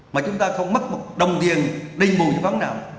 mà chúng ta không mất một đồng tiền đầy bùi cho bán nào